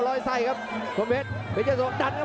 ระวังพวกนี้